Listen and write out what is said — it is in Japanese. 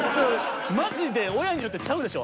マジで親によってちゃうでしょ。